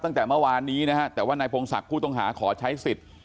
ตั้งแต่เมื่อวานนี้นะฮะแต่ว่านายพงศักดิ์ผู้ต้องหาขอใช้สิทธิ์